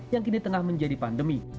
yang kini tengah menjadi pandemi